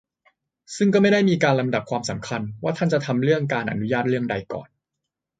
ซึ่งก็ไม่ได้มีการลำดับความสำคัญ ว่าท่านจะทำเรื่องการอนุญาตเรื่องใดก่อน